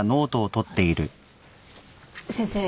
先生。